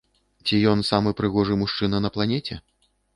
Ці ён самы прыгожы мужчына на планеце?